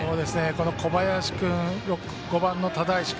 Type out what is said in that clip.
小林君、５番の只石君